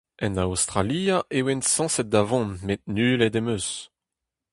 En Aostralia e oan sañset da vont met nullet em eus.